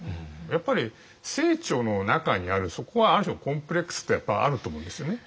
やっぱり清張の中にあるそこはある種のコンプレックスってやっぱあると思うんですよね。